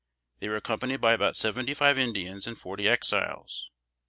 They were accompanied by about seventy five Indians and forty Exiles.